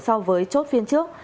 so với chốt phiên trước